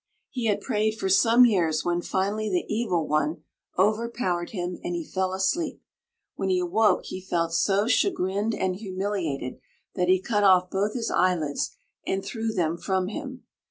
He had prayed for some years when finally the Evil One over powered him and he fell asleep. When he awoke he felt so chagrined and humiliated that he cut off both his eyelids and threw them from him.